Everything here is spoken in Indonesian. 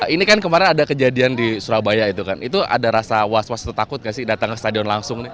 ini kan kemarin ada kejadian di surabaya itu kan itu ada rasa was was atau takut gak sih datang ke stadion langsung nih